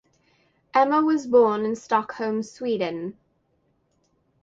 Emma was born in Stockholm, Sweden.